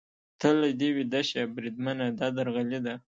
ته له دې ویده شه، بریدمنه، دا درغلي ده.